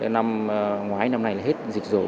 năm ngoái năm nay là hết dịch rồi